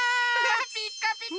ピッカピカ！